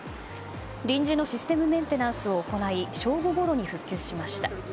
臨時のシステムメンテナンスを行い正午ごろに復旧しました。